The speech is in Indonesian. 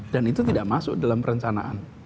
dan itu tidak masuk dalam perencanaan